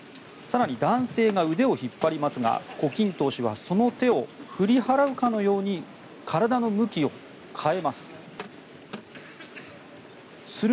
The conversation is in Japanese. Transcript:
更に、男性が腕を引っ張りますが胡錦涛氏はその手を振り払うかのように体の向きを変えます。